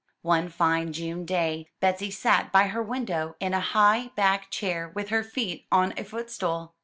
One fine June day, Betsy sat by her window in a high back chair with her feet on a footstool.